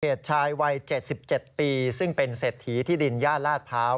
เหตุชายวัย๗๗ปีซึ่งเป็นเศรษฐีที่ดินย่านลาดพร้าว